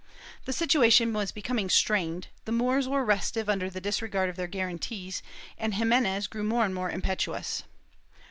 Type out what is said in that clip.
The situation was becoming strained; the Moors were restive under the disregard of their guarantees, and Ximenes grew more and more impetuous.